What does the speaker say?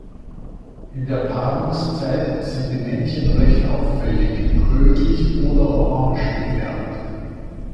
In der Paarungszeit sind die Männchen recht auffällig rötlich oder orange gefärbt.